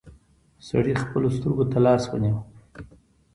سړي خپلو سترګو ته لاس ونيو.